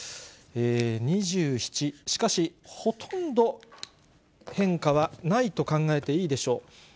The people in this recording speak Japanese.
２７、しかしほとんど変化はないと考えていいでしょう。